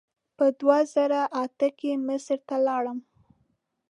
په دوه زره اته کې مصر ته لاړم.